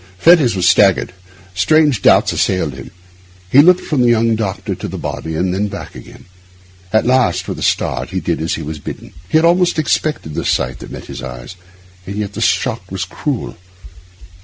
Fettes was staggered; strange doubts assailed him. He looked from the young doctor to the body, and then back again. At last, with a start, he did as he was bidden. He had almost expected the sight that met his eyes, and yet the shock was cruel.